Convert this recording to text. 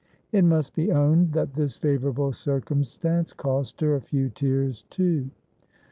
It must be owned that this favorable circumstance cost her a few tears, too.